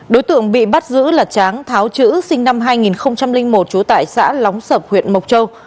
đối tượng bị bắt giữ là tráng tháo chữ sinh năm hai nghìn một trú tại xã lóng sập huyện mộc châu